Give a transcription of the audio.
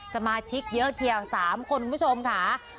สมาชิกเยอะทีเดียว๓คนคุณผู้ชมค่ะ